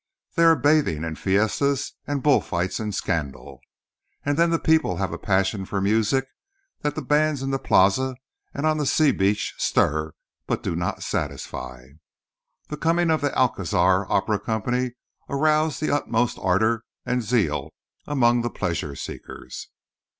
There are bathing and fiestas and bull fights and scandal. And then the people have a passion for music that the bands in the plaza and on the sea beach stir but do not satisfy. The coming of the Alcazar Opera Company aroused the utmost ardour and zeal among the pleasure seekers.